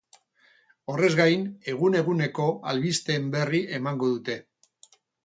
Horrez gain, egun-eguneko albisteen berri emango dute.